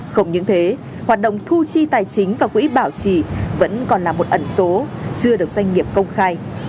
không những thế hoạt động thu chi tài chính và quỹ bảo trì vẫn còn là một ẩn số chưa được doanh nghiệp công khai